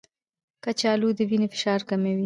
کچالو د وینې فشار کموي.